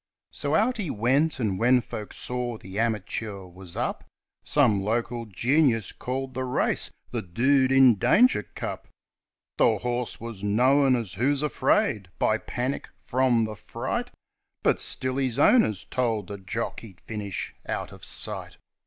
So out he went; and, when folk saw the amateur was up, Some local genius called the race "the Dude in Danger Cup". The horse was known as "Who's Afraid", by "Panic" from "The Fright" — But still his owners told the jock he'd finish out of sight.